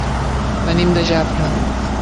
Venim de Jafre.